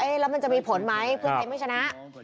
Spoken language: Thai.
แล้วมันจะมีผลไหมเพื่อไทยไม่ชนะ